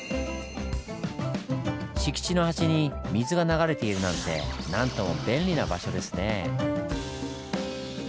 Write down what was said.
敷地の端に水が流れているなんて何とも便利な場所ですねぇ。